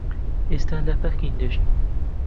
ئێستا لە پەکین دەژیم.